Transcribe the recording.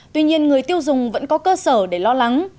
tuy nhiên người tiêu dùng vẫn có cơ sở để lo lắng